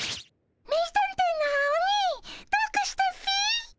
名探偵のアオニイどうかしたっピ？